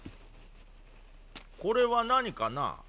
これは何かな？